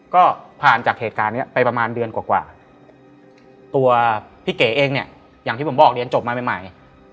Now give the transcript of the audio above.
ก็ผ่านจากเหตุการณ์นี้ไปประมาณเดือนกว่าตัวพี่เก๋เองเนี่ยอย่างที่ผมบอกเรียนจบมาใหม่